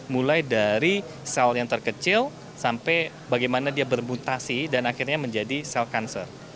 mulai dari sel yang terkecil sampai bagaimana dia bermutasi dan akhirnya menjadi sel kanser